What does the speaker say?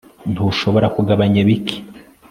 ntushobora kugabanya bike